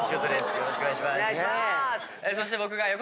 よろしくお願いします。